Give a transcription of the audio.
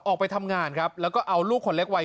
ออกไปทำงานครับแล้วก็เอาลูกคนเล็กวัย